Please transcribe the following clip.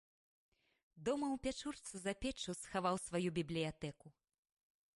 Дома ў пячурцы за печчу схаваў сваю бібліятэку.